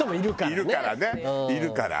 いるからねいるから。